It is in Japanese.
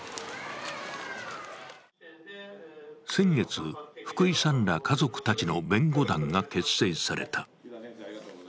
先月、福井さんら家族たちの弁護団が結成された。